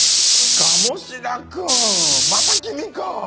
鴨志田くんまた君か！